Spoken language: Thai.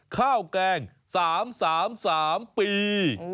ข้าวแกง๓๓ปี